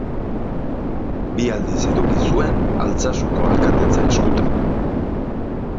Bi aldiz eduki zuen Altsasuko alkatetza eskutan.